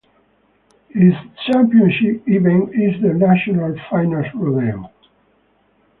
Its championship event is the National Finals Rodeo.